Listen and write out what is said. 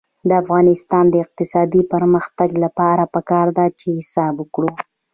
د افغانستان د اقتصادي پرمختګ لپاره پکار ده چې حساب وکړو.